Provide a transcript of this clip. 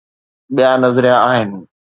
ٻيا نظريا آهن.